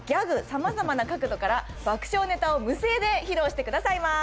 様々な角度から爆笑ネタを無声で披露してくださいます。